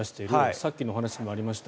さっきのお話にもありました